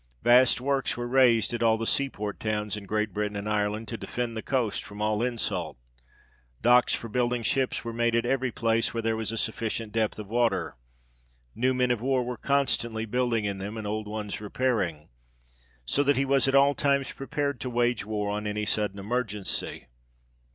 Vast works were raised at all the sea port towns in Great Britain and Ireland, to defend the coast from all insult. Docks for building ships were made at every place where there was a sufficient depth of water : new men of war were constantly building in them, and old ones repairing ; so that he was at all times prepared to wage war on any sudden emergency.